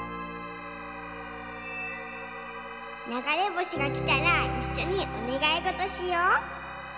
ながれぼしがきたらいっしょにおねがいごとしよう。